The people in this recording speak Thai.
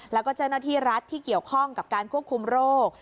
แล้วก็เจ้าหน้าที่รัฐที่เกี่ยวข้องกับการควบคุมโรค